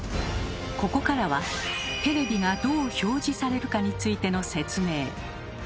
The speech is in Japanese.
ここからはテレビがどう「表示」されるかについての説明。